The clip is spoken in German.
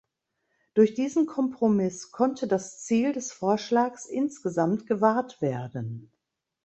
Durch diesen Kompromiss konnte das Ziel des Vorschlags insgesamt gewahrt werden.